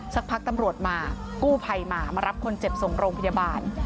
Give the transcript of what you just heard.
สักพักตำรวจมากู้ภัยมามารับคนเจ็บส่งโรงพยาบาล